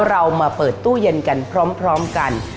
เรามาเปิดตู้เย็นกันพร้อมกัน